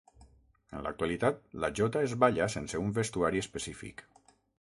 En l'actualitat, la Jota es balla sense un vestuari específic.